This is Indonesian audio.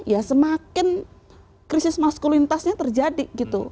ya semakin krisis maskulitasnya terjadi gitu